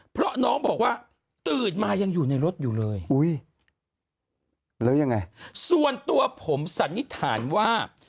เพราะน้องบอกว่าตื่นมายังอยู่ในรถอยู่เลยแล้วยังไงส่วนตัวผมสันนิษฐานว่า